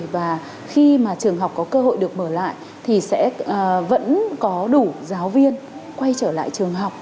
và khi mà trường học có cơ hội được mở lại thì sẽ vẫn có đủ giáo viên quay trở lại trường học